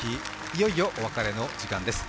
いよいよお別れの時間です。